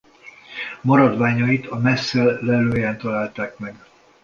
Maradványait a Messel lelőhelyen találták meg.